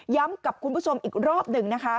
ย้ำกับคุณผู้ชมอีกรอบหนึ่ง